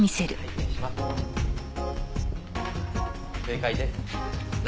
正解です。